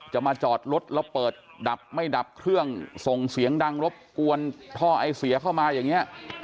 จะมาจอดรถแล้วเปิดดับไม่ดับเครื่องส่งเสียงดังรบกวนท่อไอเสียเข้ามาอย่างนี้